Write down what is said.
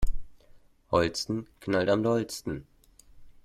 Holsten knallt am dollsten.